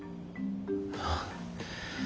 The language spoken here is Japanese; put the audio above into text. ああ。